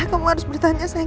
ya kamu harus bertahan ya sayang